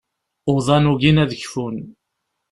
Uḍan ugin ad kfun.